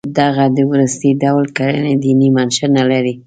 دغه د وروستي ډول کړنې دیني منشأ نه لري.